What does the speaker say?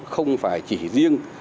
không phải chỉ riêng